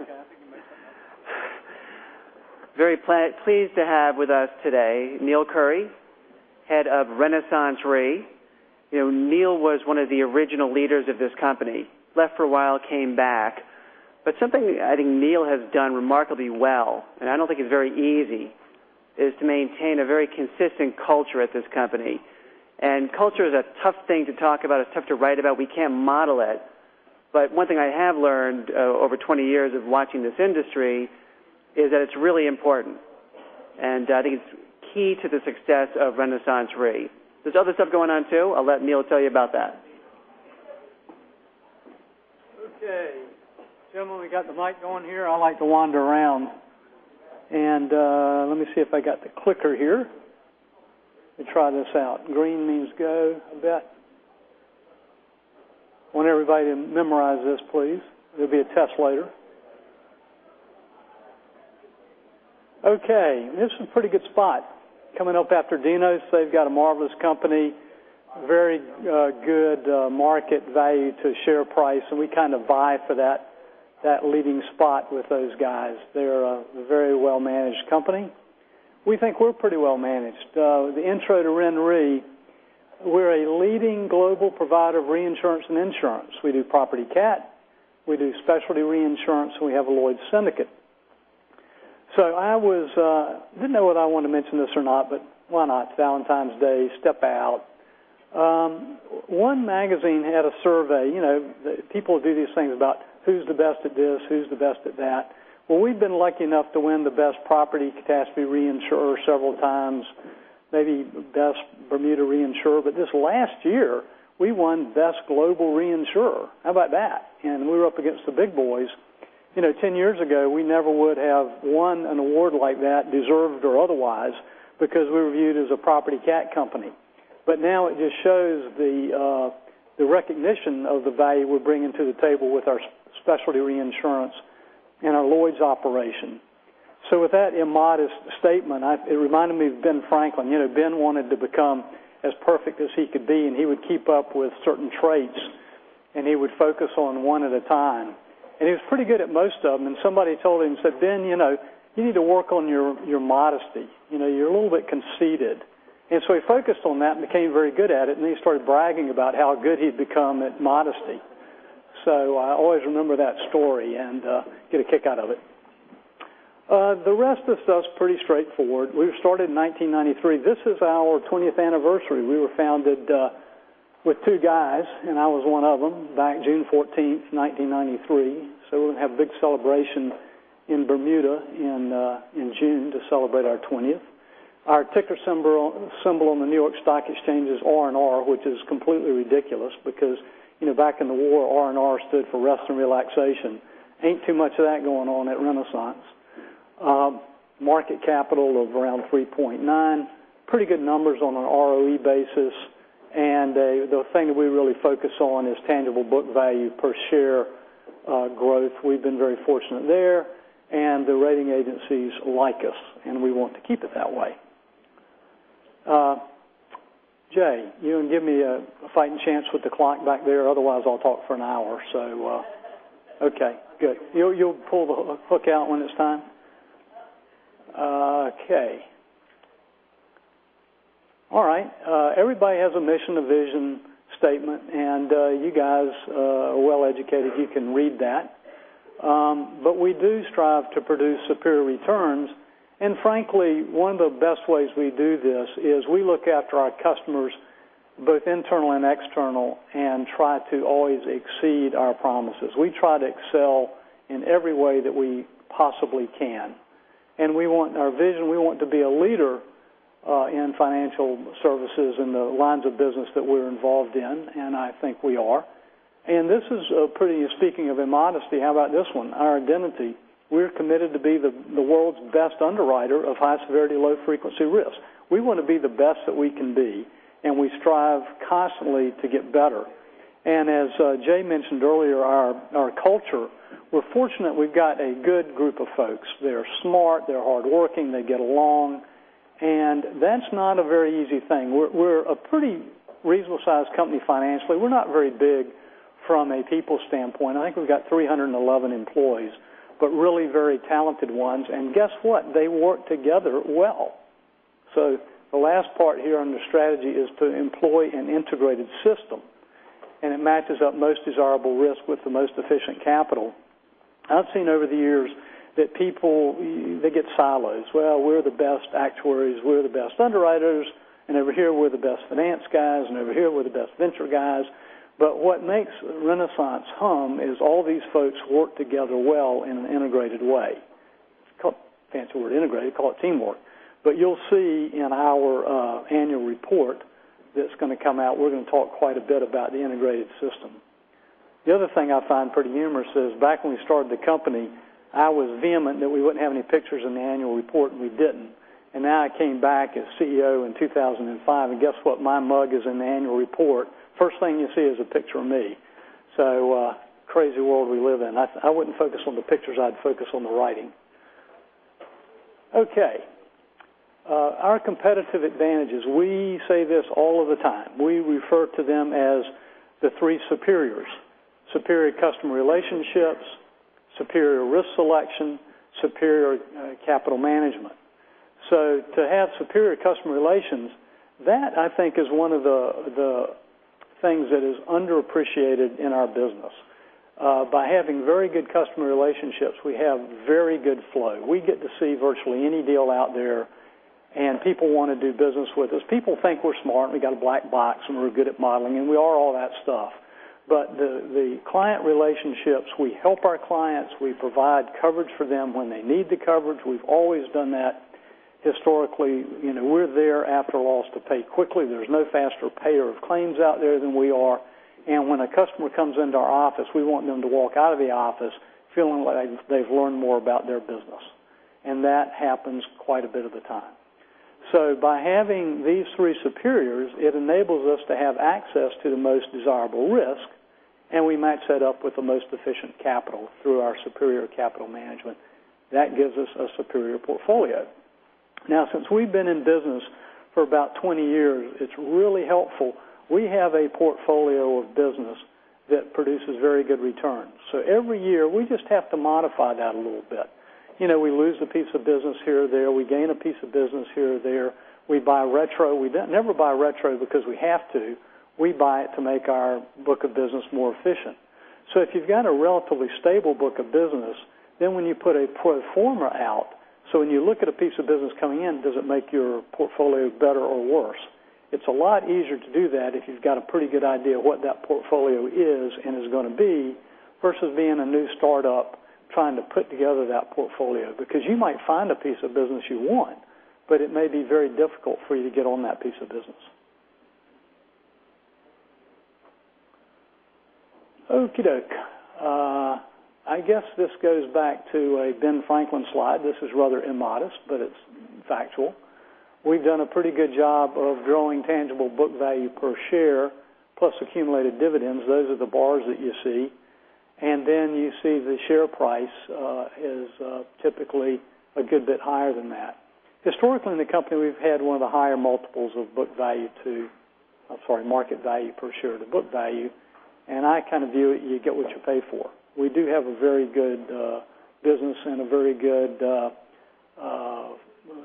Yeah. Yeah, okay. I think you might have something. Very pleased to have with us today Neill Currie, Head of RenaissanceRe. Neill was one of the original leaders of this company. Left for a while, came back. Something I think Neill has done remarkably well, and I don't think it's very easy, is to maintain a very consistent culture at this company. Culture is a tough thing to talk about. It's tough to write about. We can't model it. One thing I have learned over 20 years of watching this industry is that it's really important, and I think it's key to the success of RenaissanceRe. There's other stuff going on, too. I'll let Neill tell you about that. Okay. Gentlemen, we got the mic going here. I like to wander around. Let me see if I got the clicker here. Let me try this out. Green means go, I bet. Want everybody to memorize this, please. There'll be a test later. Okay. This is a pretty good spot coming up after Dino's. They've got a marvelous company. Very good market value to share price, and we kind of vie for that leading spot with those guys. They're a very well-managed company. We think we're pretty well managed. The intro to RenRe, we're a leading global provider of reinsurance and insurance. We do Property Catastrophe, we do specialty reinsurance, and we have a Lloyd's syndicate. I didn't know whether I wanted to mention this or not, but why not? It's Valentine's Day, step out. One magazine had a survey. People do these things about who's the best at this, who's the best at that. Well, we've been lucky enough to win the best Property Catastrophe reinsurer several times, maybe best Bermuda reinsurer. This last year, we won best global reinsurer. How about that? We were up against the big boys. 10 years ago, we never would have won an award like that, deserved or otherwise, because we were viewed as a Property Catastrophe company. Now it just shows the recognition of the value we're bringing to the table with our specialty reinsurance and our Lloyd's operation. With that immodest statement, it reminded me of Benjamin Franklin. Ben wanted to become as perfect as he could be, and he would keep up with certain traits, and he would focus on one at a time. He was pretty good at most of them. Somebody told him, said, "Ben, you need to work on your modesty. You're a little bit conceited." He focused on that and became very good at it, then he started bragging about how good he'd become at modesty. I always remember that story and get a kick out of it. The rest of the stuff's pretty straightforward. We were started in 1993. This is our 20th anniversary. We were founded with two guys, and I was one of them, back June 14th, 1993. We'll have a big celebration in Bermuda in June to celebrate our 20th. Our ticker symbol on the New York Stock Exchange is RNR, which is completely ridiculous because back in the war, RNR stood for rest and relaxation. Ain't too much of that going on at Renaissance. Market capital of around $3.9. Pretty good numbers on our ROE basis, the thing that we really focus on is tangible book value per share growth. We've been very fortunate there, the rating agencies like us, we want to keep it that way. Jay, you want to give me a fighting chance with the clock back there? Otherwise, I'll talk for an hour. Okay, good. You'll pull the hook out when it's time? Yep. Okay. All right. Everybody has a mission, a vision statement, you guys are well-educated. You can read that. We do strive to produce superior returns. Frankly, one of the best ways we do this is we look after our customers, both internal and external, try to always exceed our promises. We try to excel in every way that we possibly can. Our vision, we want to be a leader in financial services in the lines of business that we're involved in, I think we are. This is pretty speaking of immodesty. How about this one? Our identity. We're committed to be the world's best underwriter of high-severity, low-frequency risks. We want to be the best that we can be, we strive constantly to get better. As Jay mentioned earlier, our culture, we're fortunate we've got a good group of folks. They're smart, they're hardworking, they get along, that's not a very easy thing. We're a pretty reasonable-sized company financially. We're not very big from a people standpoint. I think we've got 311 employees, but really very talented ones. Guess what? They work together well. The last part here on the strategy is to employ an integrated system, it matches up most desirable risk with the most efficient capital. I've seen over the years that people, they get silos. Well, we're the best actuaries. We're the best underwriters. Over here, we're the best finance guys, over here, we're the best venture guys. What makes Renaissance hum is all these folks work together well in an integrated way. It's a fancy word, integrated. Call it teamwork. You'll see in our annual report that's going to come out, we're going to talk quite a bit about the integrated system. The other thing I find pretty humorous is back when we started the company, I was vehement that we wouldn't have any pictures in the annual report, and we didn't. Now I came back as CEO in 2005, and guess what? My mug is in the annual report. First thing you see is a picture of me. Crazy world we live in. I wouldn't focus on the pictures. I'd focus on the writing. Okay. Our competitive advantages, we say this all of the time. We refer to them as the three superiors: superior customer relationships, superior risk selection, superior capital management. To have superior customer relations, that, I think, is one of the things that is underappreciated in our business. By having very good customer relationships, we have very good flow. We get to see virtually any deal out there, and people want to do business with us. People think we're smart, and we got a black box, and we're good at modeling, and we are all that stuff. The client relationships, we help our clients, we provide coverage for them when they need the coverage. We've always done that historically. We're there after loss to pay quickly. There's no faster payer of claims out there than we are. And when a customer comes into our office, we want them to walk out of the office feeling like they've learned more about their business, and that happens quite a bit of the time. By having these three superiors, it enables us to have access to the most desirable risk, and we match that up with the most efficient capital through our superior capital management. That gives us a superior portfolio. Now, since we've been in business for about 20 years, it's really helpful. We have a portfolio of business that produces very good returns. Every year, we just have to modify that a little bit. We lose a piece of business here or there. We gain a piece of business here or there. We buy retro. We never buy retro because we have to. We buy it to make our book of business more efficient. If you've got a relatively stable book of business, then when you put a pro forma out, when you look at a piece of business coming in, does it make your portfolio better or worse? It's a lot easier to do that if you've got a pretty good idea of what that portfolio is and is going to be versus being a new startup trying to put together that portfolio. Because you might find a piece of business you want, but it may be very difficult for you to get on that piece of business. Okey-doke. I guess this goes back to a Ben Franklin slide. This is rather immodest, but it's factual. We've done a pretty good job of growing tangible book value per share plus accumulated dividends. Those are the bars that you see. You see the share price is typically a good bit higher than that. Historically, in the company, we've had one of the higher multiples of market value per share to book value, and I kind of view it, you get what you pay for. We do have a very good business and a very good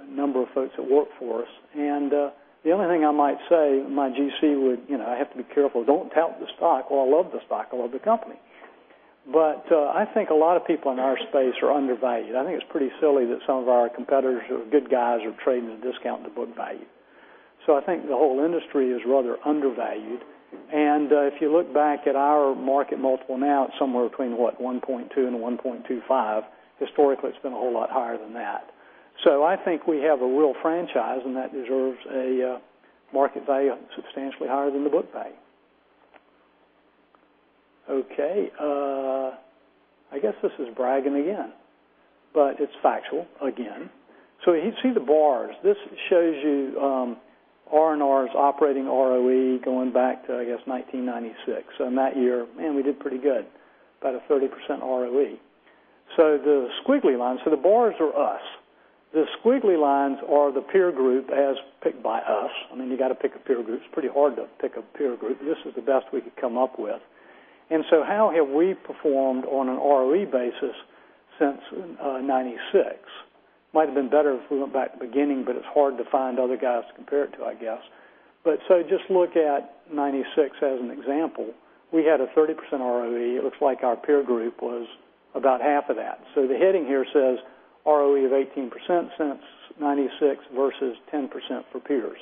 number of folks that work for us. The only thing I might say, I have to be careful. Don't tout the stock. Oh, I love the stock. I love the company. I think a lot of people in our space are undervalued. I think it's pretty silly that some of our competitors who are good guys are trading at a discount to book value. I think the whole industry is rather undervalued. If you look back at our market multiple now, it's somewhere between, what, 1.2-1.25. Historically, it's been a whole lot higher than that. I think we have a real franchise, and that deserves a market value substantially higher than the book value. Okay. I guess this is bragging again, but it's factual, again. You see the bars. This shows you RNR's operating ROE going back to, I guess, 1996. In that year, man, we did pretty good, about a 30% ROE. The bars are us. The squiggly lines are the peer group as picked by us. You've got to pick a peer group. It's pretty hard not to pick a peer group. This is the best we could come up with. How have we performed on an ROE basis since, 1996? Might have been better if we went back to the beginning, it's hard to find other guys to compare it to, I guess. Just look at 1996 as an example. We had a 30% ROE. It looks like our peer group was about half of that. The heading here says ROE of 18% since 1996 versus 10% for peers.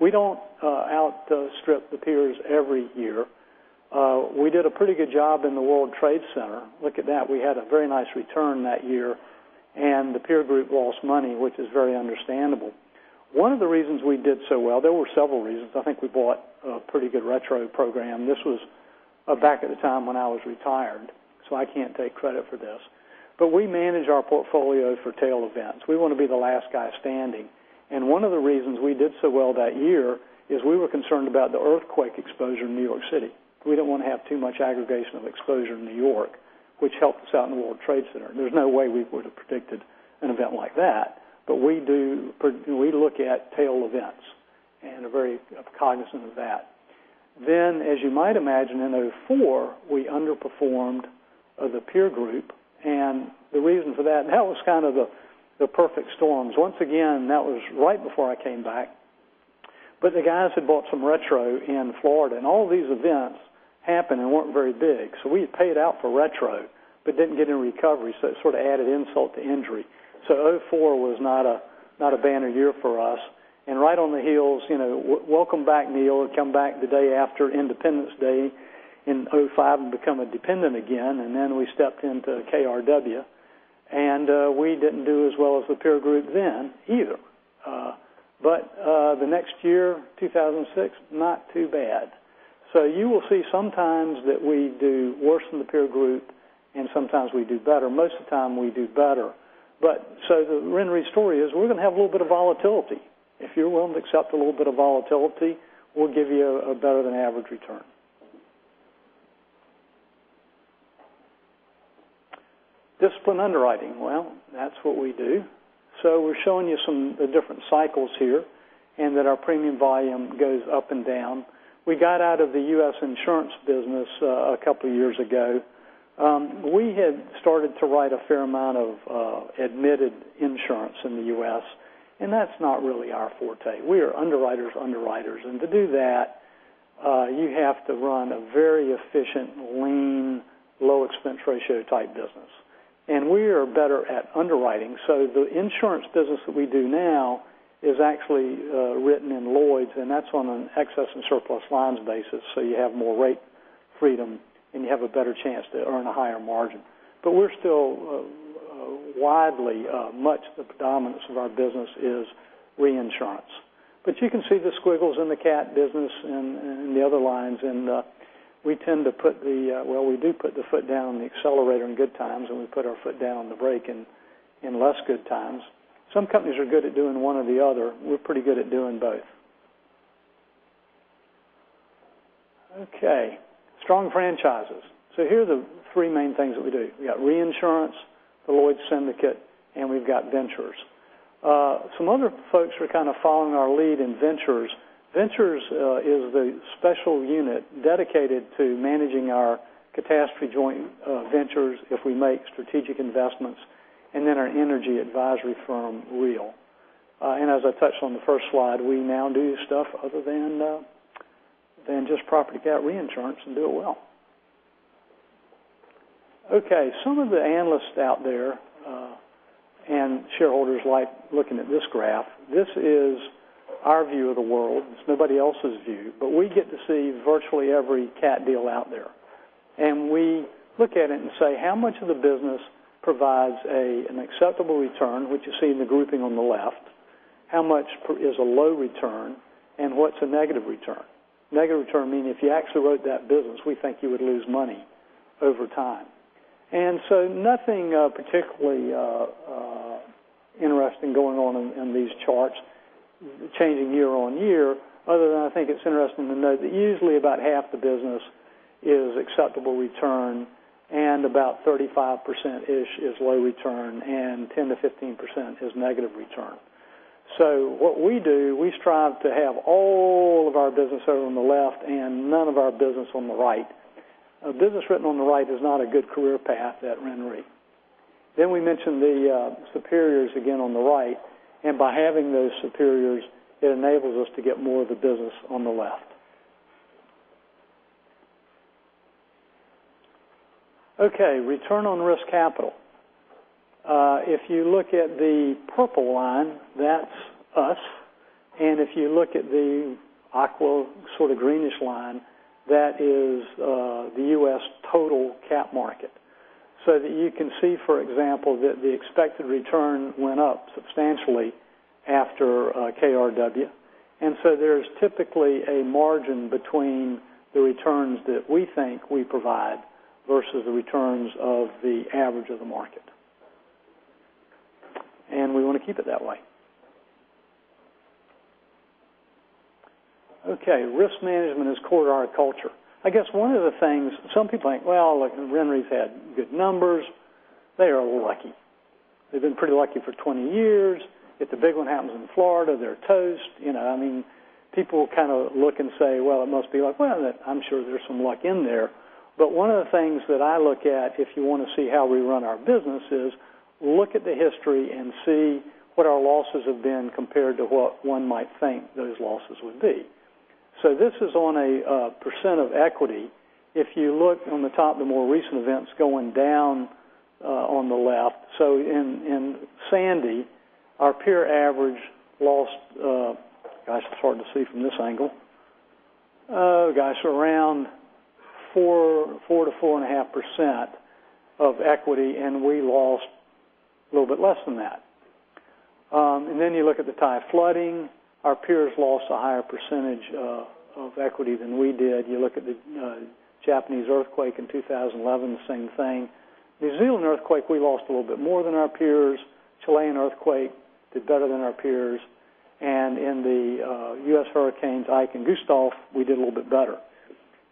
We don't outstrip the peers every year. We did a pretty good job in the World Trade Center. Look at that. We had a very nice return that year, and the peer group lost money, which is very understandable. One of the reasons we did so well, there were several reasons, I think we bought a pretty good retro program. This was back at the time when I was retired, so I can't take credit for this. We manage our portfolio for tail events. We want to be the last guy standing. One of the reasons we did so well that year is we were concerned about the earthquake exposure in New York City. We didn't want to have too much aggregation of exposure in New York, which helped us out in the World Trade Center. There's no way we would have predicted an event like that. We look at tail events and are very cognizant of that. As you might imagine, in 2004, we underperformed the peer group. That was kind of the perfect storms. Once again, that was right before I came back. The guys had bought some retro in Florida, and all these events happened and weren't very big. We had paid out for retro but didn't get any recovery, so it sort of added insult to injury. 2004 was not a banner year for us. Right on the heels, welcome back, Neill. I come back the day after Independence Day in 2005 and become a dependent again. We stepped into KRW, we didn't do as well as the peer group then either. The next year, 2006, not too bad. You will see sometimes that we do worse than the peer group and sometimes we do better. Most of the time, we do better. The RenRe story is we're going to have a little bit of volatility. If you're willing to accept a little bit of volatility, we'll give you a better than average return. Disciplined underwriting. That's what we do. We're showing you some of the different cycles here, and that our premium volume goes up and down. We got out of the U.S. insurance business a couple of years ago. We had started to write a fair amount of admitted insurance in the U.S., that's not really our forte. We are underwriters' underwriters. To do that, you have to run a very efficient, lean, low expense ratio type business. We are better at underwriting. The insurance business that we do now is actually written in Lloyd's, that's on an excess and surplus lines basis, you have more rate freedom, you have a better chance to earn a higher margin. We're still much the predominance of our business is reinsurance. You can see the squiggles in the cat business and in the other lines, we tend to put the foot down on the accelerator in good times, we put our foot down on the brake in less good times. Some companies are good at doing one or the other. We're pretty good at doing both. Strong franchises. Here are the three main things that we do. We got reinsurance, the Lloyd's Syndicate, we've got Ventures. Some other folks are kind of following our lead in Ventures. Ventures is the special unit dedicated to managing our catastrophe joint ventures if we make strategic investments, then our energy advisory firm, REAL. As I touched on the first slide, we now do stuff other than just property cat reinsurance and do it well. Some of the analysts out there, shareholders like looking at this graph. This is our view of the world. It's nobody else's view. We get to see virtually every cat deal out there. We look at it and say, how much of the business provides an acceptable return, which you see in the grouping on the left, how much is a low return, and what's a negative return? Negative return meaning if you actually wrote that business, we think you would lose money over time. Nothing particularly interesting going on in these charts changing year-on-year, other than I think it's interesting to note that usually about half the business is acceptable return, about 35%-ish is low return, 10%-15% is negative return. What we do, we strive to have all of our business over on the left and none of our business on the right. Business written on the right is not a good career path at RenRe. We mentioned the superiors again on the right, and by having those superiors, it enables us to get more of the business on the left. Return on risk capital. If you look at the purple line, that's us. If you look at the aqua sort of greenish line, that is the U.S. total Cat market. You can see, for example, that the expected return went up substantially after KRW. There's typically a margin between the returns that we think we provide versus the returns of the average of the market. We want to keep it that way. Risk management is core to our culture. I guess one of the things some people think, "RenRe's had good numbers. They are lucky. They've been pretty lucky for 20 years. If the big one happens in Florida, they're toast." I mean, people kind of look and say, it must be like, I'm sure there's some luck in there. One of the things that I look at if you want to see how we run our business is look at the history and see what our losses have been compared to what one might think those losses would be. This is on a percent of equity. If you look on the top, the more recent events going down on the left. In Sandy, our peer average lost, it's hard to see from this angle. Around 4%-4.5% of equity, we lost a little bit less than that. You look at the Thai flooding, our peers lost a higher percentage of equity than we did. You look at the Japanese earthquake in 2011, the same thing. New Zealand earthquake, we lost a little bit more than our peers. Chilean earthquake, did better than our peers. In the U.S. hurricanes, Ike and Gustav, we did a little bit better.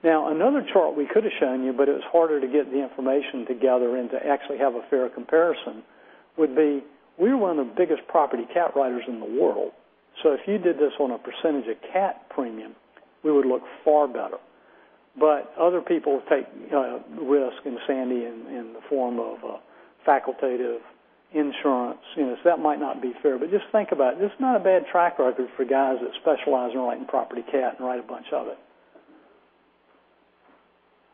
Another chart we could have shown you, but it was harder to get the information together and to actually have a fair comparison, would be we're one of the biggest Property Cat writers in the world. If you did this on a percentage of Cat premium, we would look far better. Other people take risk in Sandy in the form of facultative reinsurance. That might not be fair, but just think about it. This is not a bad track record for guys that specialize in writing Property Cat and write a bunch of it.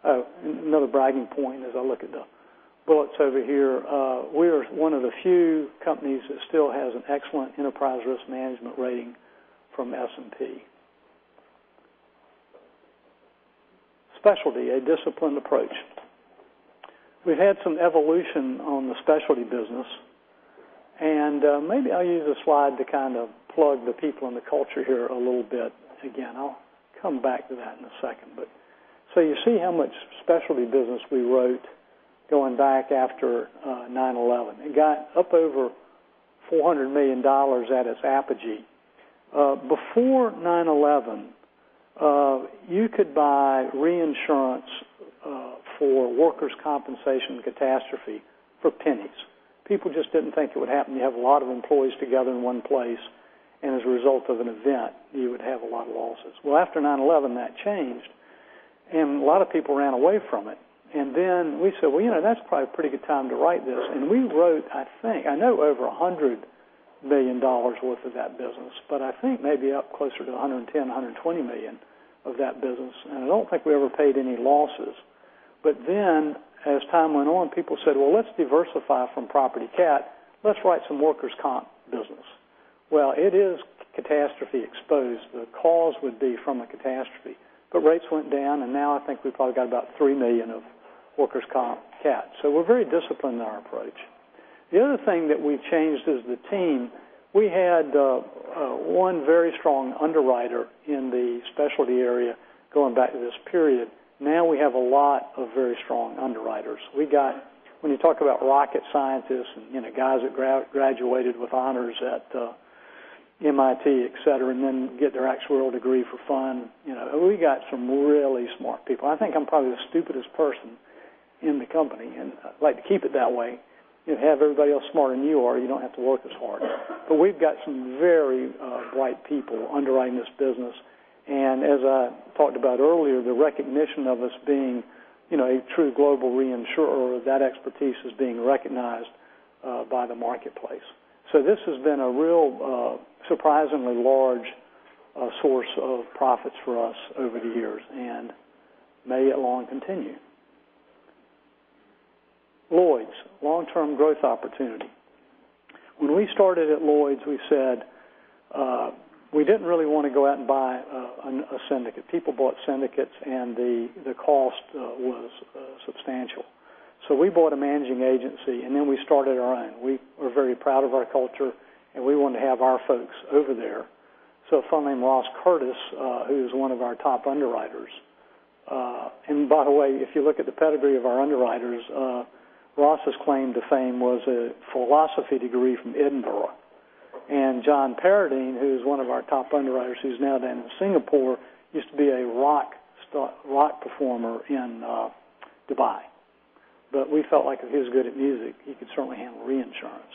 Another bragging point as I look at the bullets over here. We are one of the few companies that still has an excellent enterprise risk management rating from S&P. Specialty, a disciplined approach. We've had some evolution on the specialty business, maybe I'll use a slide to kind of plug the people and the culture here a little bit again. I'll come back to that in a second. You see how much specialty business we wrote going back after 9/11. It got up over $400 million at its apogee. Before 9/11, you could buy reinsurance for workers' compensation catastrophe for pennies. People just didn't think it would happen. You have a lot of employees together in one place, and as a result of an event, you would have a lot of losses. Well, after 9/11, that changed, and a lot of people ran away from it. Then we said, "Well, that's probably a pretty good time to write this." We wrote, I think, I know over $100 million worth of that business, but I think maybe up closer to $110 million, $120 million of that business. I don't think we ever paid any losses. As time went on, people said, "Well, let's diversify from property cat. Let's write some workers' comp business." Well, it is catastrophe exposed. The cause would be from a catastrophe. Rates went down, and now I think we've probably got about $3 million of workers' comp cat. We're very disciplined in our approach. The other thing that we've changed is the team. We had one very strong underwriter in the specialty area going back to this period. Now we have a lot of very strong underwriters. When you talk about rocket scientists and guys that graduated with honors at MIT, et cetera, and then get their actuarial degree for fun. We got some really smart people. I think I'm probably the stupidest person in the company, and I'd like to keep it that way. You have everybody else smarter than you are, you don't have to work as hard. We've got some very bright people underwriting this business. As I talked about earlier, the recognition of us being a true global reinsurer, that expertise is being recognized by the marketplace. This has been a real surprisingly large source of profits for us over the years and may it long continue. Lloyd's, long-term growth opportunity. When we started at Lloyd's, we said we didn't really want to go out and buy a syndicate. People bought syndicates, and the cost was substantial. We bought a managing agency, and then we started our own. We were very proud of our culture, and we want to have our folks over there. A fella named Ross Curtis, who's one of our top underwriters, and by the way, if you look at the pedigree of our underwriters, Ross' claim to fame was a philosophy degree from Edinburgh. John Paradine, who's one of our top underwriters, who's now down in Singapore, used to be a rock performer in Dubai. We felt like if he was good at music, he could certainly handle reinsurance.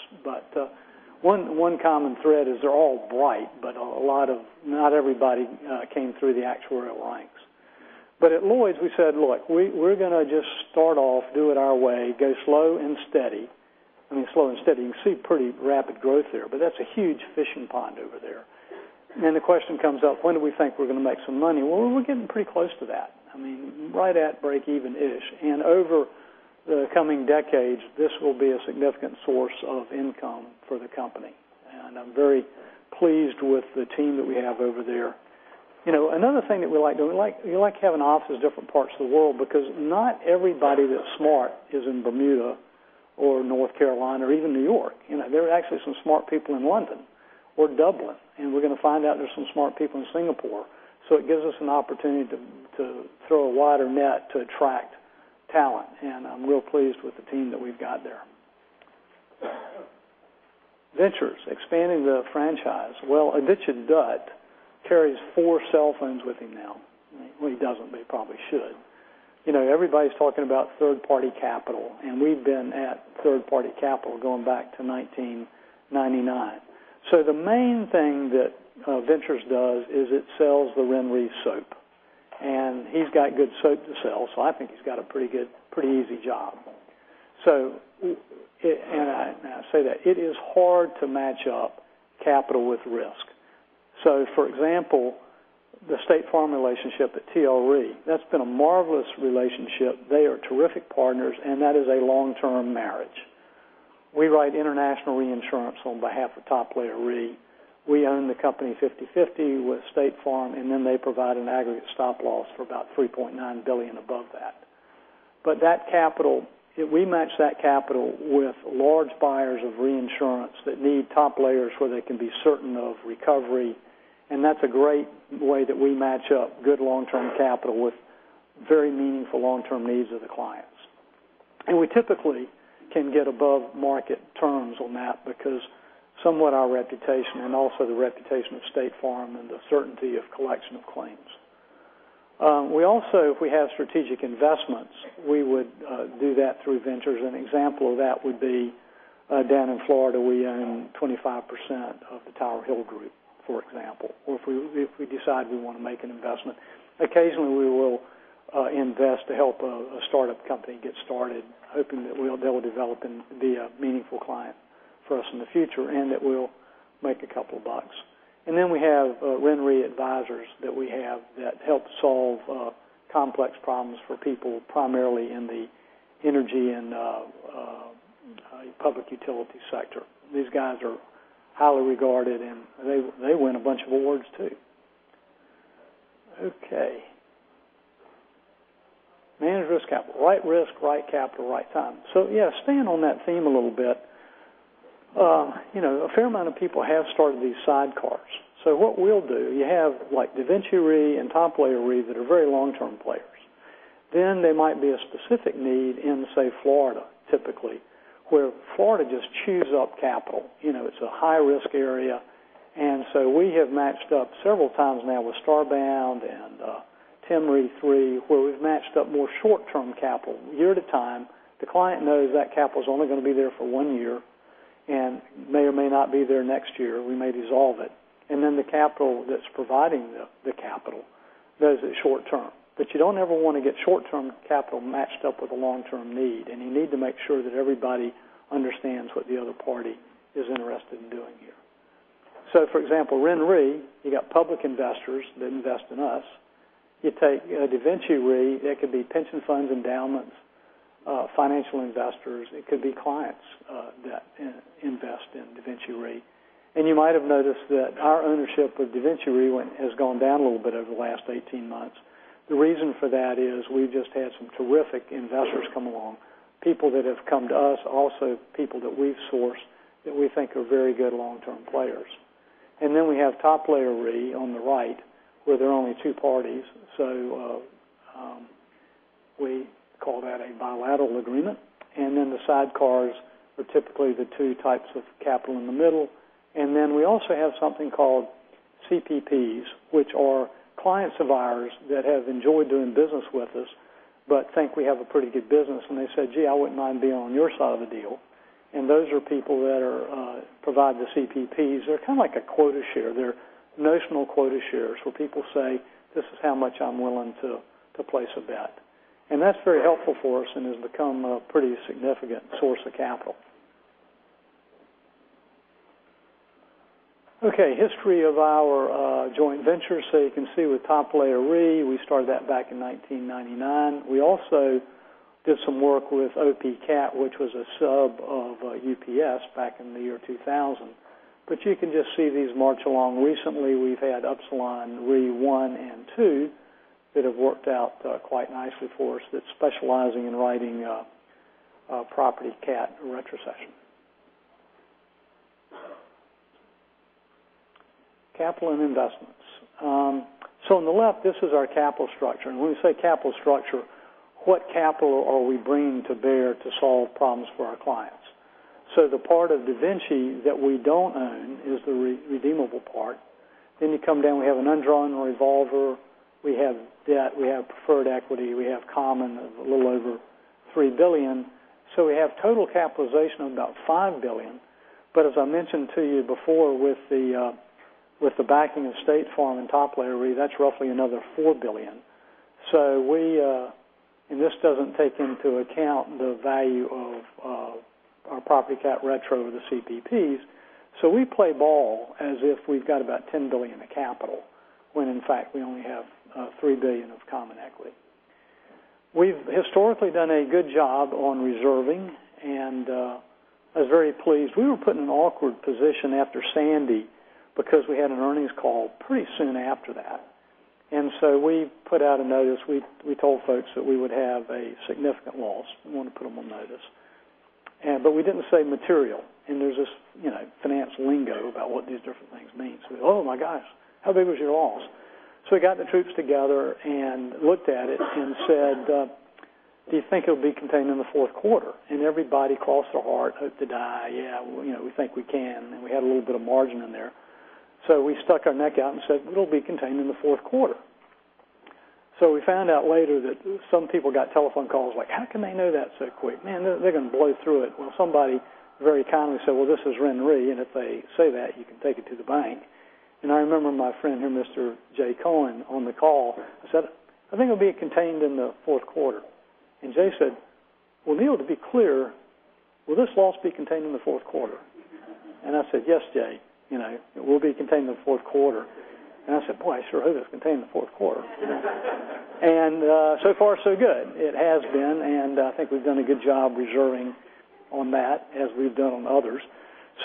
One common thread is they're all bright, but not everybody came through the actuarial ranks. At Lloyd's, we said, look, we're going to just start off, do it our way, go slow and steady. I mean, slow and steady. You can see pretty rapid growth there, but that's a huge fishing pond over there. The question comes up, when do we think we're going to make some money? Well, we're getting pretty close to that. I mean, right at breakeven-ish. Over the coming decades, this will be a significant source of income for the company. I'm very pleased with the team that we have over there. Another thing that we like doing, we like having offices in different parts of the world because not everybody that's smart is in Bermuda or North Carolina or even New York. There are actually some smart people in London or Dublin. We're going to find out there's some smart people in Singapore. It gives us an opportunity to throw a wider net to attract talent. I'm real pleased with the team that we've got there. Ventures, expanding the franchise. Aditya Dutt carries 4 cell phones with him now. He doesn't, but he probably should. Everybody's talking about third-party capital, we've been at third-party capital going back to 1999. The main thing that Ventures does is it sells the RenRe soap, he's got good soap to sell, I think he's got a pretty easy job. I say that it is hard to match up capital with risk. For example, the State Farm relationship at TLRE, that's been a marvelous relationship. They are terrific partners, that is a long-term marriage. We write international reinsurance on behalf of Top Layer Re. We own the company 50/50 with State Farm, they provide an aggregate stop-loss for about $3.9 billion above that. That capital, we match that capital with large buyers of reinsurance that need top layers where they can be certain of recovery. That's a great way that we match up good long-term capital with very meaningful long-term needs of the clients. We typically can get above-market terms on that because somewhat our reputation the reputation of State Farm the certainty of collection of claims. We also, if we have strategic investments, we would do that through Ventures. An example of that would be down in Florida, we own 25% of the Tower Hill Group, for example. Or if we decide we want to make an investment. Occasionally, we will invest to help a startup company get started, hoping that they will develop and be a meaningful client for us in the future and that we'll make a couple of bucks. Then we have RenaissanceRe Advisors that we have that help solve complex problems for people, primarily in the energy and public utility sector. These guys are highly regarded, they win a bunch of awards, too. Managed risk capital. Right risk, right capital, right time. Yeah, staying on that theme a little bit. A fair amount of people have started these sidecars. What we'll do, you have DaVinci Re and Top Layer Re that are very long-term players. There might be a specific need in, say, Florida, typically, where Florida just chews up capital. It's a high-risk area, we have matched up several times now with Starbound and Tim Re III, where we've matched up more short-term capital. Year at a time, the client knows that capital's only going to be there for one year may or may not be there next year. We may dissolve it. The capital that's providing the capital knows it's short-term. You don't ever want to get short-term capital matched up with a long-term need, you need to make sure that everybody understands what the other party is interested in doing here. RenRe, you got public investors that invest in us. You take DaVinci Re, that could be pension funds, endowments, financial investors. It could be clients that invest in DaVinci Re. You might have noticed that our ownership with DaVinci Re has gone down a little bit over the last 18 months. The reason for that is we've just had some terrific investors come along, people that have come to us, also people that we've sourced that we think are very good long-term players. Then we have Top Layer Re on the right, where there are only two parties. So we call that a bilateral agreement. Then the sidecars are typically the two types of capital in the middle. We also have something called CPPs, which are clients of ours that have enjoyed doing business with us but think we have a pretty good business and they said, "Gee, I wouldn't mind being on your side of the deal." And those are people that provide the CPPs. They're kind of like a quota share. They're notional quota shares where people say, "This is how much I'm willing to place a bet." And that's very helpful for us and has become a pretty significant source of capital. Okay, history of our joint ventures. So you can see with Top Layer Re, we started that back in 1999. We also did some work with OP Cat, which was a sub of UPS back in the year 2000. You can just see these march along. Recently, we've had Upsilon Re One and Two that have worked out quite nicely for us that's specializing in writing property cat retrocession. Capital and investments. On the left, this is our capital structure, and when we say capital structure, what capital are we bringing to bear to solve problems for our clients? The part of DaVinci that we don't own is the redeemable part. You come down, we have an undrawn revolver, we have debt, we have preferred equity, we have common of a little over $3 billion. So we have total capitalization of about $5 billion. But as I mentioned to you before with the backing of State Farm and Top Layer Re, that's roughly another $4 billion. And this doesn't take into account the value of our property cat retro over the CPPs. We play ball as if we've got about $10 billion of capital, when in fact we only have $3 billion of common equity. We've historically done a good job on reserving. I was very pleased. We were put in an awkward position after Sandy because we had an earnings call pretty soon after that. We put out a notice. We told folks that we would have a significant loss. We wanted to put them on notice. But we didn't say material. There's this finance lingo about what these different things mean. 'Oh my gosh, how big was your loss?' So we got the troops together and looked at it and said, "Do you think it'll be contained in the fourth quarter?" Everybody crossed their heart, hoped to die. "Yeah, we think we can." We had a little bit of margin in there. We stuck our neck out and said, "It'll be contained in the fourth quarter." We found out later that some people got telephone calls like, "How can they know that so quick? Man, they're going to blow through it." Somebody very kindly said, "This is RenRe, and if they say that, you can take it to the bank." I remember my friend here, Mr. Jay Cohen, on the call said, "I think it'll be contained in the fourth quarter." Jay said, "Neill, to be clear, will this loss be contained in the fourth quarter?" I said, "Yes, Jay. It will be contained in the fourth quarter." I said, "Boy, I sure hope it's contained in the fourth quarter." So far so good. It has been, I think we've done a good job reserving on that as we've done on others.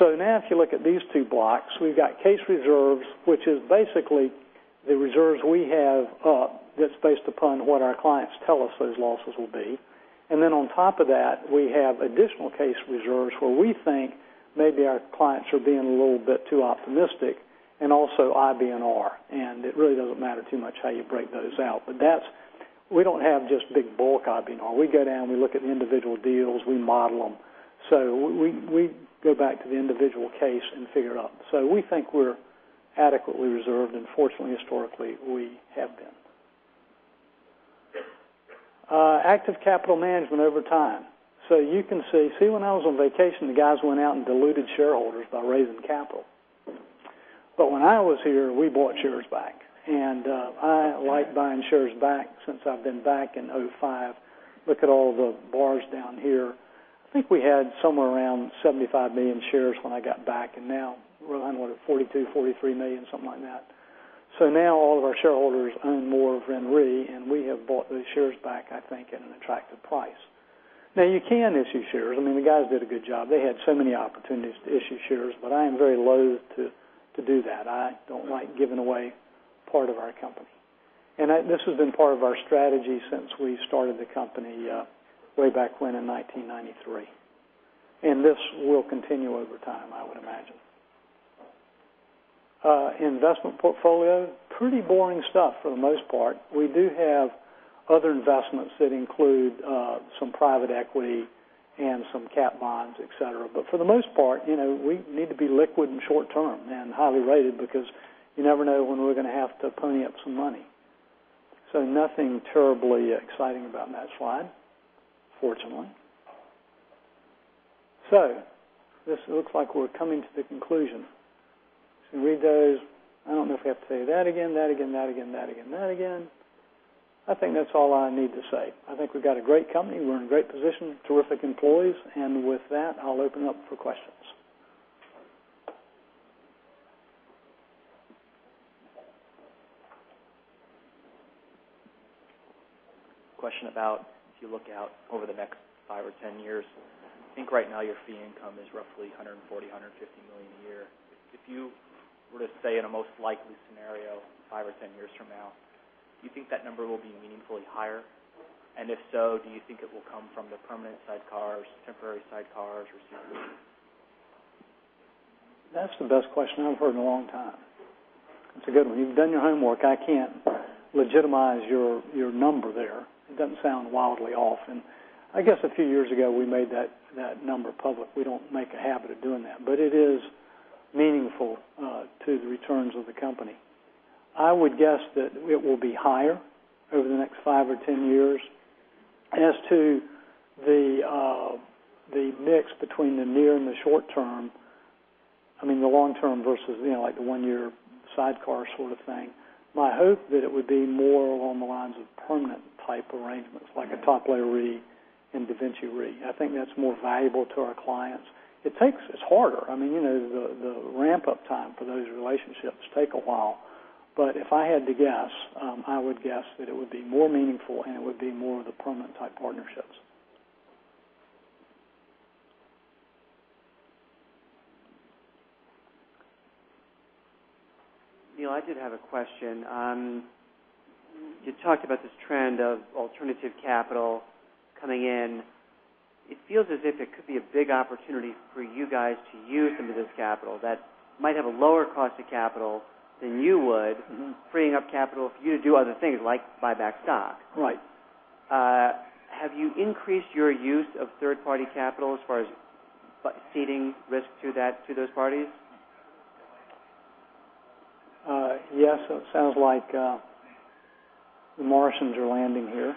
Now if you look at these two blocks, we've got case reserves, which is basically the reserves we have up that's based upon what our clients tell us those losses will be. Then on top of that, we have additional case reserves where we think maybe our clients are being a little bit too optimistic and also IBNR. It really doesn't matter too much how you break those out. We don't have just big bulk IBNR. We go down, we look at individual deals, we model them. We go back to the individual case and figure it out. We think we're adequately reserved, and fortunately, historically, we have been. Active capital management over time. You can see when I was on vacation, the guys went out and diluted shareholders by raising capital. When I was here, we bought shares back. I like buying shares back since I've been back in 2005. Look at all the bars down here. I think we had somewhere around 75 million shares when I got back, and now we're down to what, 42, 43 million, something like that. Now all of our shareholders own more of RenRe, we have bought those shares back, I think, at an attractive price. You can issue shares. I mean, the guys did a good job. They had so many opportunities to issue shares, but I am very loathe to do that. I don't like giving away part of our company. This has been part of our strategy since we started the company way back when in 1993. This will continue over time, I would imagine. Investment portfolio, pretty boring stuff for the most part. We do have other investments that include some private equity and some cat bonds, et cetera. For the most part, we need to be liquid and short term and highly rated because you never know when we're going to have to pony up some money. Nothing terribly exciting about that slide, fortunately. This looks like we're coming to the conclusion. Read those. I don't know if we have to say that again, that again, that again, that again, that again. I think that's all I need to say. I think we've got a great company. We're in a great position, terrific employees. With that, I'll open up for questions. Question about if you look out over the next five or 10 years, I think right now your fee income is roughly $140 million, $150 million a year. If you were to say in a most likely scenario, five or 10 years from now, do you think that number will be meaningfully higher? If so, do you think it will come from the permanent sidecars, temporary sidecars, or ceding? That's the best question I've heard in a long time. It's a good one. You've done your homework. I can't legitimize your number there. It doesn't sound wildly off, and I guess a few years ago, we made that number public. We don't make a habit of doing that, but it is meaningful to the returns of the company. I would guess that it will be higher over the next five or 10 years. As to the mix between the near and the long term versus the one-year sidecar sort of thing, my hope that it would be more along the lines of permanent type arrangements, like a Top Layer Re and DaVinci Re. I think that's more valuable to our clients. It's harder. The ramp-up time for those relationships take a while, but if I had to guess, I would guess that it would be more meaningful and it would be more of the permanent type partnerships. Neill, I did have a question. You talked about this trend of alternative capital coming in. It feels as if it could be a big opportunity for you guys to use some of this capital that might have a lower cost of capital than you would, freeing up capital for you to do other things, like buy back stock. Right. Have you increased your use of third-party capital as far as ceding risk to those parties? Yes. It sounds like the Martians are landing here.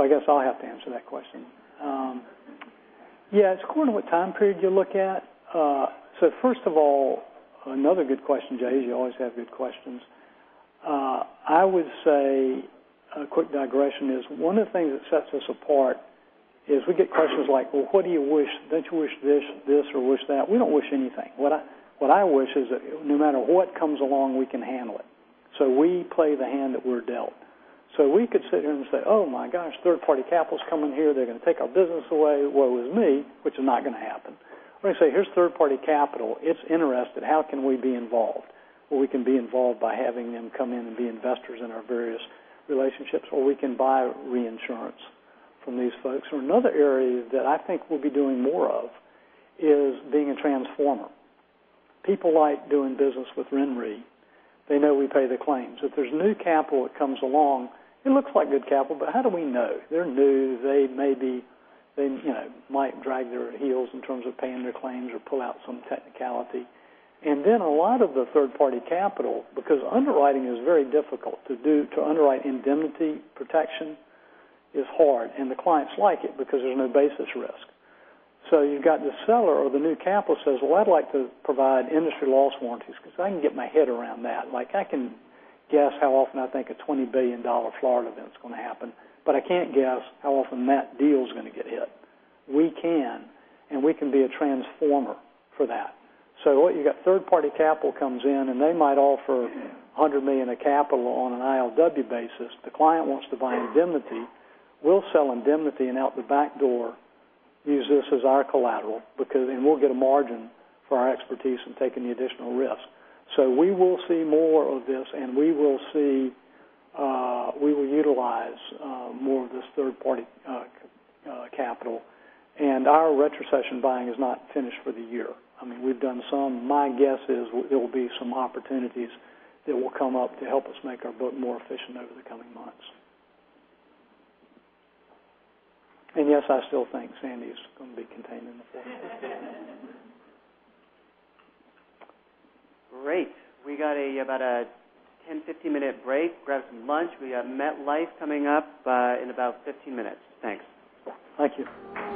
I guess I'll have to answer that question. Yeah, it's according to what time period you look at. First of all, another good question, Jay. You always have good questions. I would say a quick digression is one of the things that sets us apart is we get questions like, well, what do you wish? Don't you wish this, or wish that? We don't wish anything. What I wish is that no matter what comes along, we can handle it. We play the hand that we're dealt. We could sit here and say, "Oh my gosh, third-party capital's coming here. They're going to take our business away. Woe is me," which is not going to happen. We say, here's third-party capital. It's interested. How can we be involved? Well, we can be involved by having them come in and be investors in our various relationships, or we can buy reinsurance from these folks. Or another area that I think we'll be doing more of is being a transformer. People like doing business with RenRe. They know we pay the claims. If there's new capital that comes along, it looks like good capital, but how do we know? They're new. They might drag their heels in terms of paying their claims or pull out some technicality. A lot of the third-party capital, because underwriting is very difficult to do, to underwrite indemnity protection is hard, and the clients like it because there's no basis risk. You've got the seller or the new capital says, "Well, I'd like to provide industry loss warranties because I can get my head around that. I can guess how often I think a $20 billion Florida event's going to happen, but I can't guess how often that deal's going to get hit." We can, and we can be a transformer for that. What you got third-party capital comes in, and they might offer $100 million of capital on an ILW basis. The client wants to buy indemnity. We'll sell indemnity and out the back door use this as our collateral, and we'll get a margin for our expertise in taking the additional risk. We will see more of this, and we will utilize more of this third-party capital. Our retrocession buying is not finished for the year. We've done some. My guess is there will be some opportunities that will come up to help us make our book more efficient over the coming months. yes, I still think Hurricane Sandy is going to be contained in the forecast. Great. We got about a 10-15-minute break. Grab some lunch. We have MetLife coming up in about 15 minutes. Thanks. Thank you.